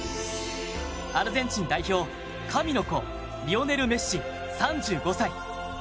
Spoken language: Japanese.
アルゼンチン代表、神の子リオネル・メッシ、３５歳。